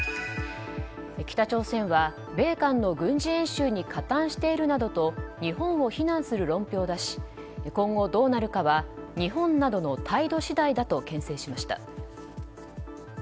北朝鮮は米韓の軍事演習に加担しているなどと日本を非難する論評を出し今後、どうなるかは日本などの態度次第だと牽制しました。